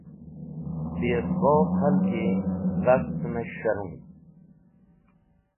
Bi esbob k̃halgi dhastmẽs̃hẽrung.